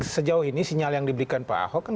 sejauh ini sinyal yang diberikan pak ahok kan